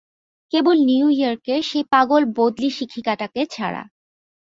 কেবল নিউয়ার্কের সেই পাগল বদলী শিক্ষিকাটাকে ছাড়া।